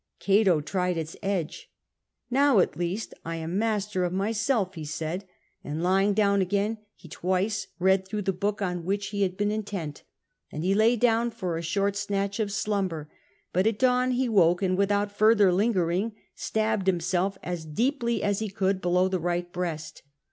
Cato tried its edge. Now, at least, I am master of myself," he said ; and, lying down again, he twice read through the book on which he had been intent. Then he lay down for a short snatch of slumber ; but at dawn he woke, and without further lingering stabbed himself as deeply as he could below the right breast.